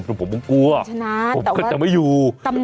ไม่ชนะแต่ว่าตำนานห้องดนตรีผมก็จะไม่อยู่